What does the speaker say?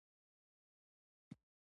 پاویلو کویلو وایي له ځوابونو اندېښنه مه کوئ.